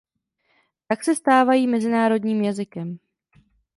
Tak se stávají mezinárodním jazykem.